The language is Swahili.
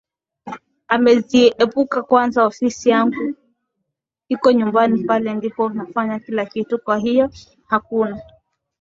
ameziepukaKwanza ofisi yangu iko nyumbani Pale ndipo nafanya kila kitu kwa hiyo hakuna